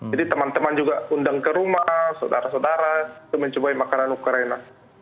jadi teman teman juga undang ke rumah saudara saudara mencoba makanan ukraina